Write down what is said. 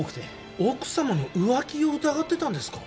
奥さまの浮気を疑ってたんですか？